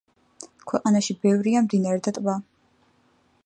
ქვეყანაში ბევრია მდინარე და ტბა.